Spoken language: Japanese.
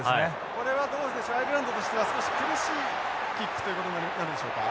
これはどうでしょうアイルランドとしては少し苦しいキックということになるんでしょうか。